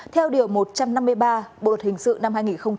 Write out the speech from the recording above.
theo điều một trăm năm mươi ba bộ luật hình sự năm hai nghìn một mươi năm